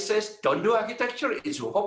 jangan lakukan arsitektur itu tidak berharap